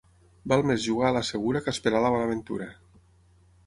Val més jugar a la segura que esperar la bona ventura.